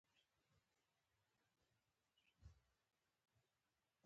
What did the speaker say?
دوکاندار د خیر او شر فرق پېژني.